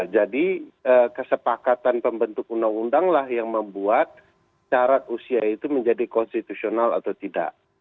jadi kesepakatan pembentuk undang undang lah yang membuat syarat usia itu menjadi konstitusional atau tidak